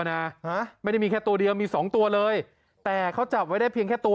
นะไม่ได้มีแค่ตัวเดียวมีสองตัวเลยแต่เขาจับไว้ได้เพียงแค่ตัว